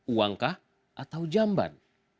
uangkah atau jamban